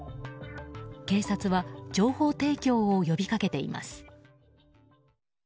警察は情報提供を呼び掛けています。